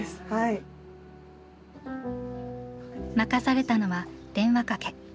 任されたのは電話かけ。